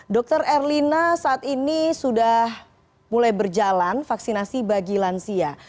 dr erlina saat ini sudah mulai berjalan vaksinasi bagi lansia